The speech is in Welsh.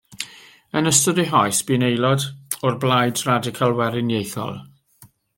Yn ystod ei hoes bu'n aelod o'r Blaid Radical Weriniaethol.